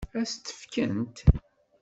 Ad s-t-fkent?